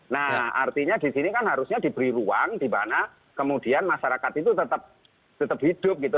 nah artinya disini kan harusnya diberi ruang dimana kemudian masyarakat itu tetap hidup gitu